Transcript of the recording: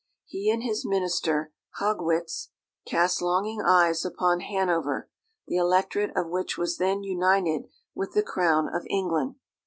He and his minister, Haugwitz, cast longing eyes upon Hanover, the Electorate of which was then united with the crown of England.